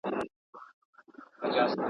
د کابل پر سړکونو ډېره ګڼه ګوڼه ده.